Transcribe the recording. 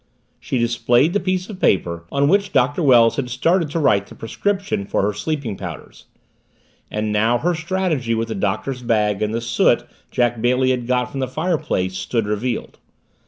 She displayed the piece of paper on which Doctor Wells had started to write the prescription for her sleeping powders and now her strategy with the doctor's bag and the soot Jack Bailey had got from the fireplace stood revealed.